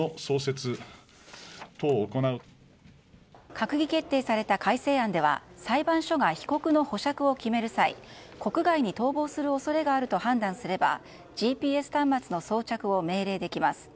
閣議決定された改正案では裁判所が被告の保釈を決める際国外に逃亡する恐れがあると判断すればＧＰＳ端末の装着を命令できます。